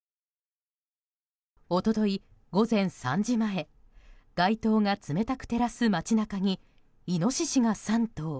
一昨日午前３時前、街灯が冷たく照らす街中にイノシシが３頭。